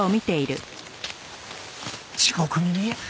地獄耳や。